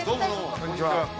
こんにちは。